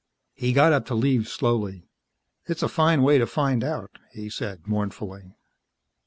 He got up to leave, slowly. "It's a fine way to find out," he said mournfully.